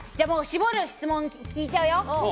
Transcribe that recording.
絞る質問、聞いちゃうよ。